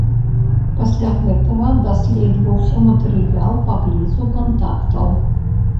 Пасля гэтага даследаваўся матэрыял паблізу кантактаў.